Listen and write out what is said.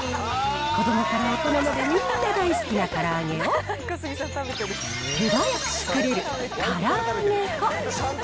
子どもから大人まで、みんな大好きなから揚げを、手早く作れるから揚げ粉。